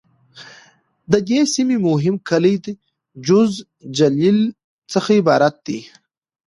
د دې سیمې مهم کلي د: جوز، جلیل..څخه عبارت دي.